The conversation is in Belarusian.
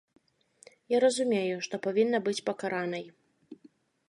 Я разумею, што павінна быць пакаранай.